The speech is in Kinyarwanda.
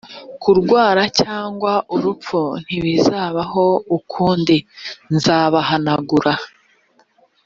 kurwara cyangwa urupfu ntibizabaho ukundi nzabahanagura